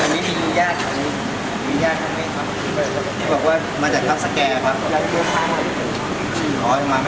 อันนี้มีญาติมีญาติไหมครับ